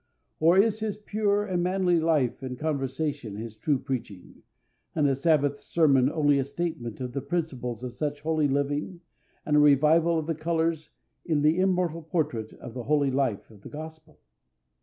Or is his pure and manly life and conversation his true preaching, and the Sabbath sermon only a statement of the principles of such holy living, and a revival of the colors in the immortal portrait of the holy life of the Gospel?